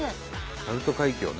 鳴門海峡ね。